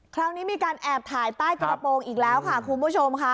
คราวนี้มีการแอบถ่ายใต้กระโปรงอีกแล้วค่ะคุณผู้ชมค่ะ